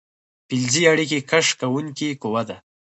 فلزي اړیکه کش کوونکې قوه ده.